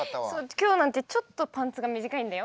今日なんてちょっとパンツが短いんだよ。